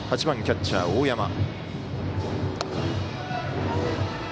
８番キャッチャー大山。